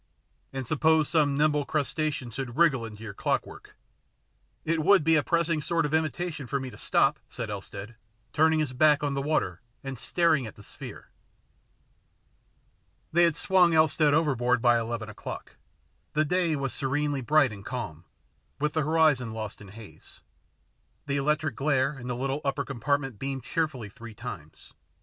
" And suppose some nimble crustacean should wriggle into your clockwork " "It would be a pressing sort of invitation for me to stop," said Elstead, turning his back on the water and staring at the sphere. They had swung Elstead overboard by eleven o'clock. The day was serenely bright and calm, with the horizon lost in haze. The electric glare in the little upper compartment beamed cheerfully three times.